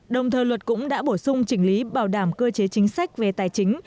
đồng thời luật cũng đã bổ sung chỉnh lý bảo đảm cơ chế chính sách về tài chính